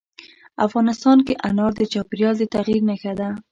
افغانستان کې انار د چاپېریال د تغیر نښه ده.